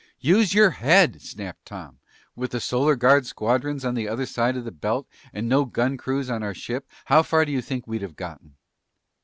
"Use your head!" snapped Tom. "With the Solar Guard squadrons on the other side of the belt and with no gun crews on our ship, how far do you think we'd have gotten?"